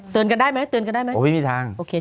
เตือนกันได้ไหมโอ้ยไม่มีทาง